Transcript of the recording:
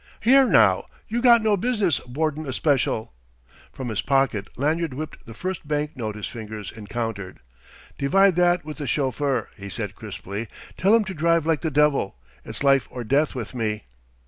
"Here, now, you got no business boardin' a Special." From his pocket Lanyard whipped the first bank note his fingers encountered. "Divide that with the chauffeur," he said crisply "tell him to drive like the devil. It's life or death with me!"